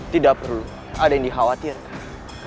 tidak perlu ada yang dikhawatirkan